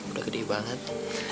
udah gede banget